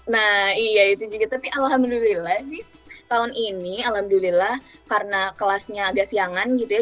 nah iya itu juga tapi alhamdulillah sih tahun ini alhamdulillah karena kelasnya agak siangan gitu ya